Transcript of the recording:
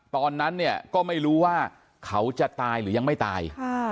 ตอนนั้นเนี่ยก็ไม่รู้ว่าเขาจะตายหรือยังไม่ตาย